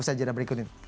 ustadz jadah berikutnya